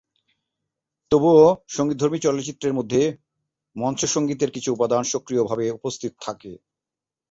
তবুও সঙ্গীতধর্মী চলচ্চিত্রের মধ্যে মঞ্চ সঙ্গীতের কিছু উপাদান সক্রিয়ভাবে উপস্থিত থাকে।